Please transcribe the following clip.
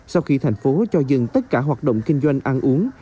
sau khi thành phố cho dừng tất cả hoạt động kinh doanh ăn uống